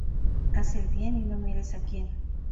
Haz el bien y no mires a quién